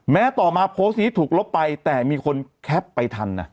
แม้ต่อมาโพสต์นี้ถูกลบไปแต่มีคนแคปไปทัน